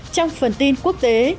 trong phần tin quốc tế